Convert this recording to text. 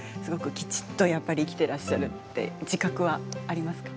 きちっと生きていらっしゃるって自覚はありますか？